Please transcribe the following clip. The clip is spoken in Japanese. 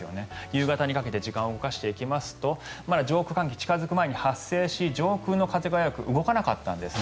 夕方にかけて時間を動かしていきますとまだ上空の寒気が近付く前に発生し上空の風が動かなかったんです。